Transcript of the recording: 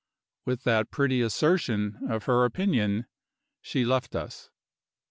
With that pretty assertion of her opinion, she left us.